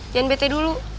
jangan bete dulu